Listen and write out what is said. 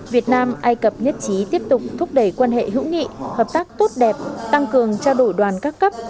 việt nam ai cập nhất trí tiếp tục thúc đẩy quan hệ hữu nghị hợp tác tốt đẹp tăng cường trao đổi đoàn các cấp